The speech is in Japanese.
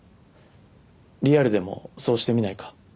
リアルでもそうしてみないか？